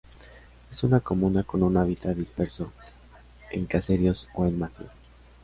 Es una comuna con un hábitat disperso en caseríos o en masías.